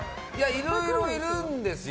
いろいろいるんですよ。